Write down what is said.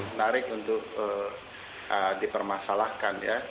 menarik untuk dipermasalahkan ya